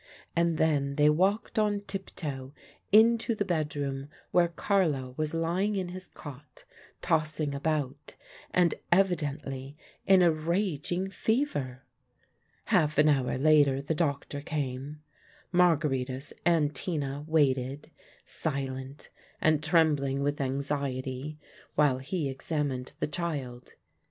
And then they walked on tiptoe into the bedroom where Carlo was lying in his cot, tossing about, and evidently in a raging fever. Half an hour later the doctor came. Margaritis and Tina waited, silent and trembling with anxiety, while he examined the child.